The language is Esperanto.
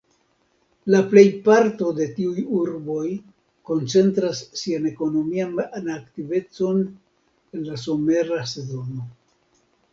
La plej parto de tiuj urboj koncentras sian ekonomian aktivecon en la somera sezono.